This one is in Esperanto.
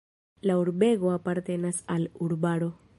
La urbego apartenas al urbaro.